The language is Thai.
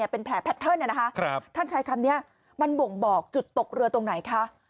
เป็นแผลแพทเทิร์นท่านใช้คำนี้มันบ่งบอกจุดตกเรือตรงไหนคะ